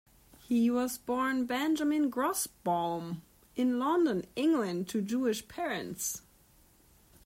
He was born Benjamin Grossbaum in London, England, to Jewish parents.